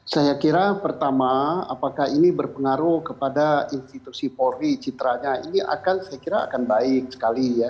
saya kira pertama apakah ini berpengaruh kepada institusi polri citranya ini akan saya kira akan baik sekali ya